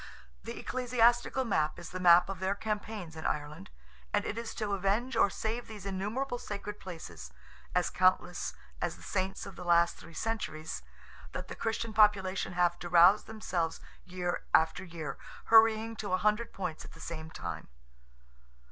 The ecclesiastical map is the map of their campaigns in Ireland. And it is to avenge or save these innumerable sacred places—as countless as the Saints of the last three centuries—that the Christian population have to rouse themselves year after year, hurrying to a hundred points at the same time.